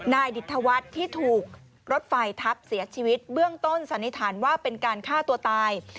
ดิตธวัฒน์ที่ถูกรถไฟทับเสียชีวิตเบื้องต้นสันนิษฐานว่าเป็นการฆ่าตัวตาย